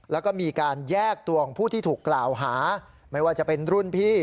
แล้วก็มีการแยกตัวของผู้ที่ถูกกล่าวหาไม่ว่าจะเป็นรุ่นพี่